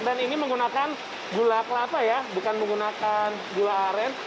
dan ini menggunakan gula kelapa ya bukan menggunakan gula aren